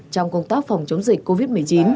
trong công tác phòng chống dịch covid một mươi chín